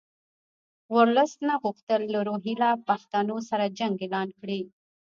ورلسټ نه غوښتل له روهیله پښتنو سره جنګ اعلان کړي.